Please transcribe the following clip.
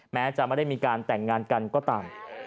แม้จะไม่ได้มีการแต่งงานกันก็ตาม